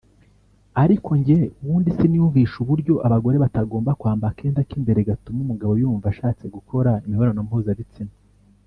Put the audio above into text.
Ariko njye ubundi siniyumvisha uburyo abagore batagomba kwamba akenda k’imbere gatuma umugabo yumva ashatse gukora imibonano mpuzabitsina